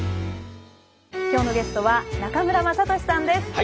今日のゲストは中村雅俊さんです。